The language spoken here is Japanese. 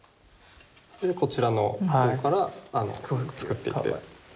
でこちらの上から作っていって。